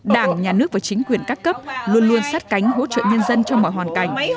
đảng nhà nước và chính quyền các cấp luôn luôn sát cánh hỗ trợ nhân dân trong mọi hoàn cảnh